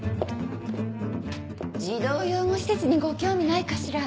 児童養護施設にご興味ないかしら？